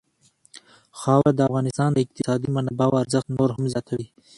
خاوره د افغانستان د اقتصادي منابعو ارزښت نور هم زیاتوي.